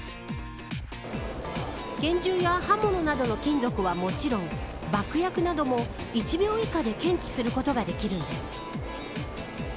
拳銃や刃物などの金属はもちろん爆薬なども１秒以下で検知することができるんです。